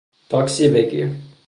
تاکسی بگیر